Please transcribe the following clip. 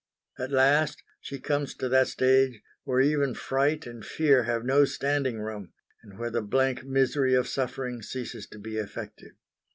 At last she comes to that stage where even fright and fear have no standing room, and where the blank misery of suffering ceases to be effective.